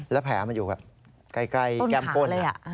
แล้วแผลมันอยู่แบบใกล้แก้มก้น